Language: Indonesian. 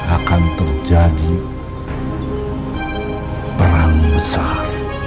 akan terjadi perang besar